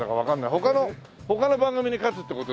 他の他の番組に勝つって事でいいか。